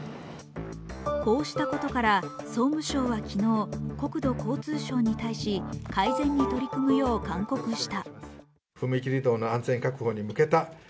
こうしたことから総務省は昨日、国土交通省に対し改善に取り組むよう勧告した。